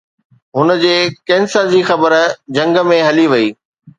هن جي ڪينسر جي خبر جهنگ ۾ هلي وئي